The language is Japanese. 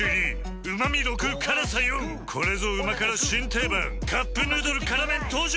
４これぞ旨辛新定番「カップヌードル辛麺」登場！